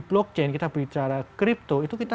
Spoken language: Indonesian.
blockchain kita bicara kripto itu kita